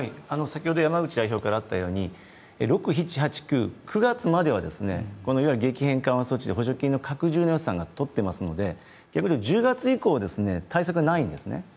先ほど山口代表からあったように、６７８９、９月までには、激変化の措置で補助金の拡充予算を取ってますので逆に１０月以降、対策がないんですね。